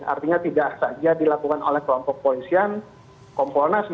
artinya tidak saja dilakukan oleh kelompok polisian kompolnas